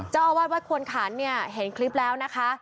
เจ้าอาวาสวัดควรขันเนี่ยเห็นคลิปแล้วนะคะ